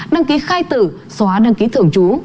đăng ký khai tử xóa đăng ký thưởng trú